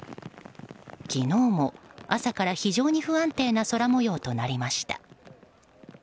昨日も朝から、非常に不安定な空模様となりました。